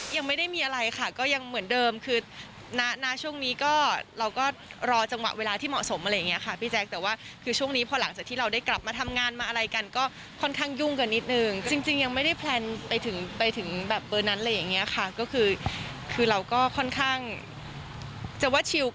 ยังไม่ได้มีอะไรค่ะก็ยังเหมือนเดิมคือณช่วงนี้ก็เราก็รอจังหวะเวลาที่เหมาะสมอะไรอย่างนี้ค่ะพี่แจ๊คแต่ว่าคือช่วงนี้พอหลังจากที่เราได้กลับมาทำงานมาอะไรกันก็ค่อนข้างยุ่งกันนิดนึงจริงยังไม่ได้แพลนไปถึงไปถึงแบบเบอร์นั้นอะไรอย่างเงี้ยค่ะก็คือคือเราก็ค่อนข้างจะว่าชิล